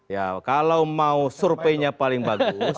ya kalau mau surveinya paling bagus